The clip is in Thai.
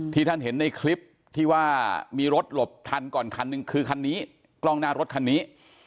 ท่านเห็นในคลิปที่ว่ามีรถหลบทันก่อนคันหนึ่งคือคันนี้กล้องหน้ารถคันนี้